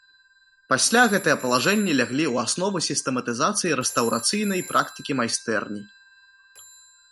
Пасля гэтыя палажэнні ляглі ў аснову сістэматызацыі рэстаўрацыйнай практыкі майстэрні.